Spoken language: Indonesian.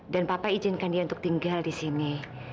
dan papa izinkan dia untuk tinggal disini